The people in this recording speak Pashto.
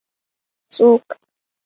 ـ څوک؟